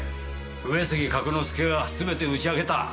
上杉角之助が全て打ち明けた。